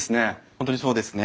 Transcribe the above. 本当にそうですね。